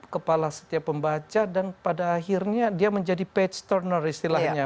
kepala setiap pembaca dan pada akhirnya dia menjadi page turner istilahnya